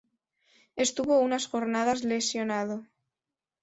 Estuvo unas jornadas lesionado.